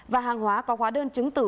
và hàng hóa có khóa đơn chứng tử